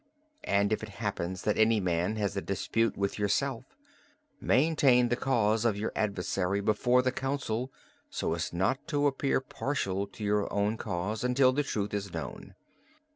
And if it happen that any man has a dispute with yourself, maintain the cause of your adversary before the council so as not to appear partial to your own cause, until the truth is known.